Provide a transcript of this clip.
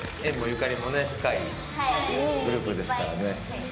縁もゆかりも深いグループですからね。